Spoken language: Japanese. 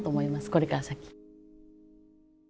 これから先。